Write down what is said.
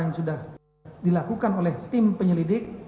yang sudah dilakukan oleh tim penyelidik